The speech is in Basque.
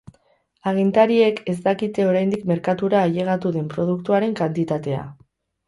Agintariek ez dakite oraindik merkatura ailegatu den produktuaren kantitatea.